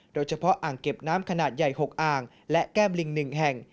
อ่างเก็บน้ำขนาดใหญ่๖อ่างและแก้มลิง๑แห่ง